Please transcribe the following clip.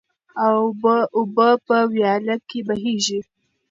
اوبه په ویاله کې بهیږي.